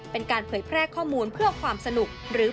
เป็นการเผยแพร่ข้อมูลเพื่อความสนุกหรือ